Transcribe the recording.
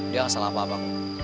dia gak salah apa apa